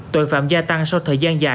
tội phạm gia tăng sau thời gian dài